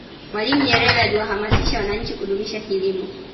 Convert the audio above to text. mwalimu nyerere aliwahamasisha wananchi kudumisha kilimo